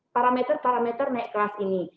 parameter parameter naik kelas ini